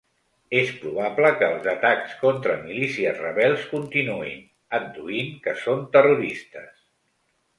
És probable que els atacs contra milícies rebels continuïn, adduint que són terroristes.